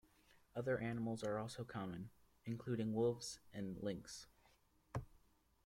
Other animals are also common, including wolves and lynx.